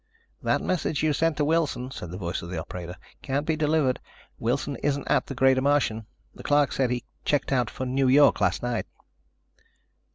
"That message you sent to Wilson," said the voice of the operator, "can't be delivered. Wilson isn't at the Greater Martian. The clerk said he checked out for New York last night."